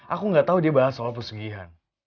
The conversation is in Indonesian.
aku nggak tahu dia bahas soal persugihan